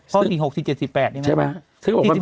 ข้อ๔๖๔๗๔๘ใช่ไหม